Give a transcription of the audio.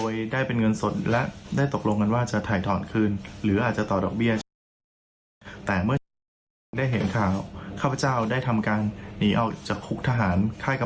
ยศาลไทยโยธินทร์